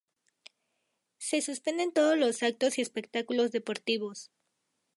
Se suspenden todos los actos y espectáculos deportivos.